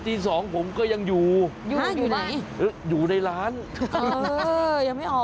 ตี๒ผมก็ยังอยู่อยู่ในร้านเออยังไม่ออก